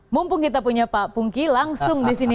mumpung kita punya pak pungki langsung di sini